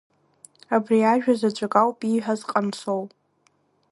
Абри ажәа заҵәык ауп ииҳәаз Ҟансоу.